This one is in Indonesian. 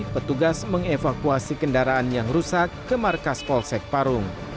petugas mengevakuasi kendaraan yang rusak ke markas polsek parung